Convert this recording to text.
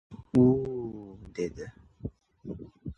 — U-u-u... — dedi.